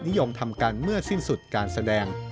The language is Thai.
นิยมทำกันเมื่อสิ้นสุดการแสดง